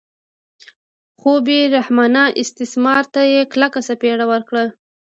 خو بې رحمانه استثمار ته یې کلکه څپېړه ورکړه.